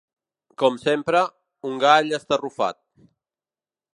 Com sempre, un gall estarrufat.